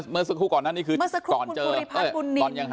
เมื่อสักครู่ก่อนหน้านี้คือก่อนเจอตอนยังหา